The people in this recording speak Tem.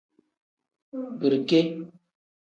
Birike.